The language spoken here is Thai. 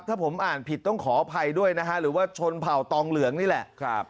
ถ้าผมอ่านผิดต้องขออภัยด้วยนะฮะหรือว่าชนเผ่าตองเหลืองนี่แหละ